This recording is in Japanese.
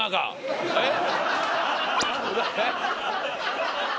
えっ？